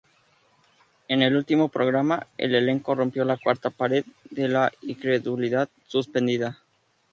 En el último programa, el elenco rompió "la cuarta pared" de la incredulidad suspendida.